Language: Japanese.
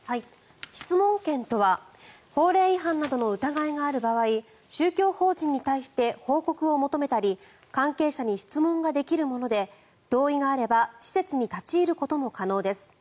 質問権とは法令違反などの疑いがある場合宗教法人に対して報告を求めたり関係者に質問ができるもので同意があれば施設に立ち入ることも可能です。